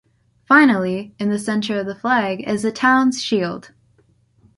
Finally, in the center of the flag is the town’s shield.